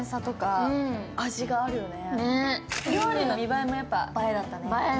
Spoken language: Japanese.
料理の見栄えも映えだったね。